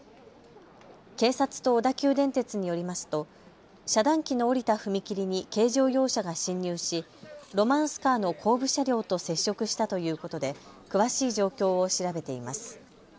警察と小田急電鉄によりますと遮断機の下りた踏切に軽乗用車が進入しロマンスカーの後部車両と接触したということで詳しい状況を調べています。